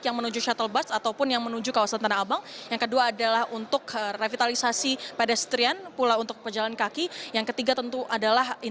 andrian syah kepala dinas perubahan